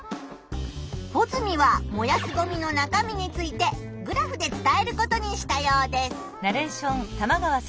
ホズミは燃やすゴミの中身についてグラフで伝えることにしたようです。